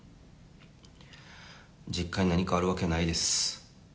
実家に何かあるわけないです。